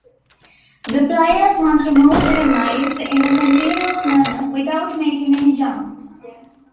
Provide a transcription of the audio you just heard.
The players must move their knives in a continuous manner, without making any "jumps".